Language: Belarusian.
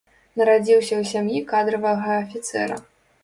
Нарадзіўся ў сям'і кадравага афіцэра.